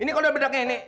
ini kok udah bedaknya ini